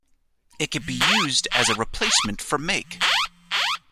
It can be used as a replacement for make.